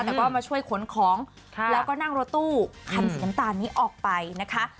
แต่ก็มาช่วยขนของแล้วก็นั่งรถตู้คันสีน้ำตาลนี้ออกไปนะคะ